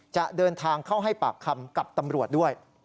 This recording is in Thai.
จะเดินทางเข้าให้ปากคำกับตำรวจด้วย